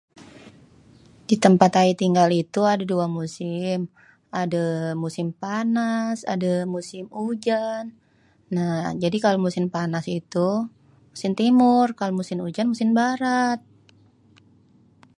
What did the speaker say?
ditempat ayé tinggal itu adê dua musim, adê musim panas, adê musim ujan, nah jadi kalo musim panas itu musim timur kalo musim ujan musim barat.